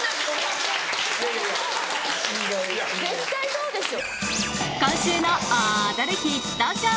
絶対そうですよ！